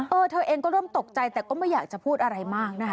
เธอเองก็เริ่มตกใจแต่ก็ไม่อยากจะพูดอะไรมากนะคะ